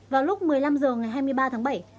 vào lúc một mươi năm h ngày hai mươi ba tháng bảy